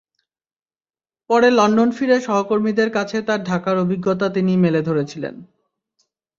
পরে লন্ডন ফিরে সহকর্মীদের কাছে তাঁর ঢাকার অভিজ্ঞতা তিনি মেলে ধরেছিলেন।